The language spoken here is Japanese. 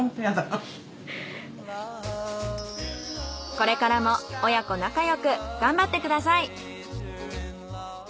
これからも親子仲よく頑張ってください。